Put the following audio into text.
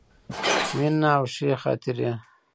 مینه او ښې خاطرې.